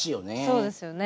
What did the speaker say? そうですよね。